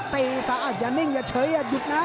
สะอาดอย่านิ่งอย่าเฉยอย่าหยุดนะ